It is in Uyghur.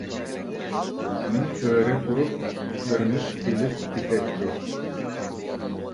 بىزنىڭ ئۆرە تۇرۇپ پۇتلىرىمىز تېلىپ كېتەتتى.